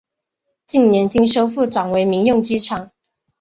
近年经修复转为民用机场。